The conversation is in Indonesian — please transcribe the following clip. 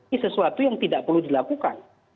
ini sesuatu yang tidak perlu dilakukan